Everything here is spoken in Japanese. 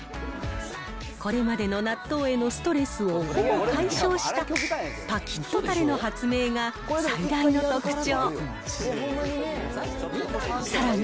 これまでの納豆へのストレスをほぼ解消した、パキッ！とたれの発明が最大の特徴。